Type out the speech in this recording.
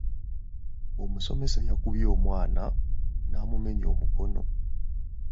Omusomesa yakubye omwana namumenya omukono.